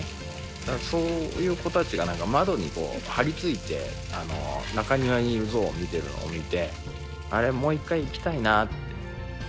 だから、そういう子たちが窓に張りついて中庭にいる象を見ているのを見て、あれ、もう一回行きたいなぁって。